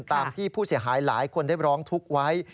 ตามที่ผู้เสียหายหลายคนได้ร้องทุกข์ไว้